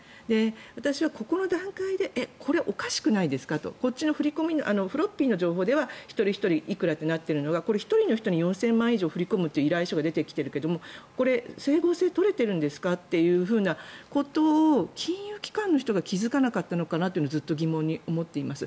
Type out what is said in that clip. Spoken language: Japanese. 私はここの段階でえ、これおかしくないですかとこっちのフロッピーの情報では一人ひとりいくらとなっているのが１人の人に４０００万円以上を振り込むという依頼書が出てきているけれどこれ、整合性が取れてるんですか？ということを金融機関の人が気付かなかったのかとずっと疑問に思っています。